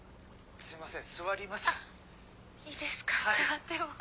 すいません。